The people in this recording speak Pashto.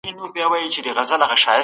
دولت د خارجي پانګونې لپاره اصول ټاکلي دي.